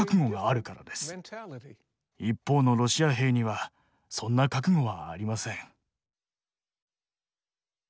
一方のロシア兵にはそんな覚悟はありません。